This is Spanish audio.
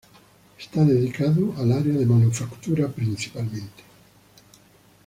Está dedicado al área de Manufactura principalmente.